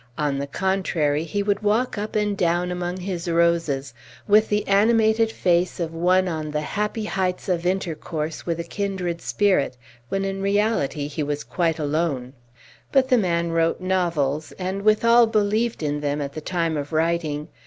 On the contrary, he would walk up and down among his roses with the animated face of one on the happy heights of intercourse with a kindred spirit, when in reality he was quite alone. But the man wrote novels, and withal believed in them at the time of writing.